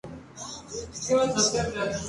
Joseph Justus Scaliger fue su alumno.